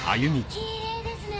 きれいですね。